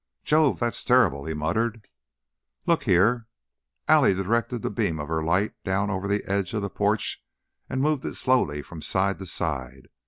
"Jove! That's terrible!" he muttered. "Look here." Allie directed the beam of her light down over the edge of the porch, and moved it slowly from side to side.